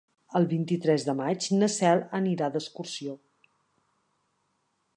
El vint-i-tres de maig na Cel anirà d'excursió.